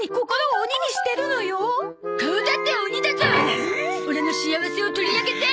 オラの幸せを取り上げて！